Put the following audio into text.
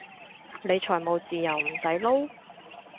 你財務自由唔使撈？